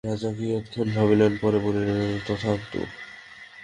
রাজা কিয়ৎক্ষণ ভাবিলেন পরে বলিলেন, তথান্তু।